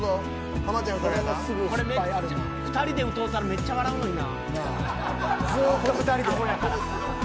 ２人で歌うたらめっちゃ笑うのにな。